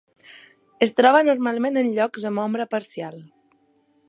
Es troba normalment en llocs amb ombra parcial.